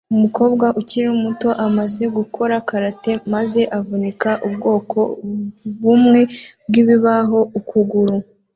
Umukobwa ukiri muto amaze gukora karate maze avunika ubwoko bumwe bwibibaho ukuguru